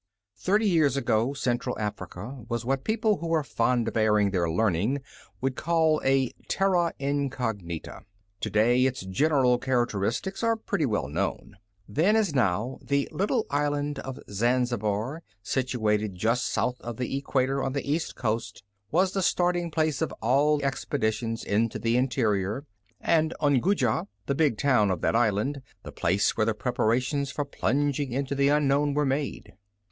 Thirty years ago Central Africa was what people who are fond of airing their learning would call a terra incognita. To day its general characteristics are pretty well known. Then, as now, the little island of Zanzibar, situated just south of the equator, on the east coast, was the starting place of all expeditions into the interior, and Unguja (pronounced Oon goo'jah), the big town of that island, the place where the preparations for plunging into the unknown were made.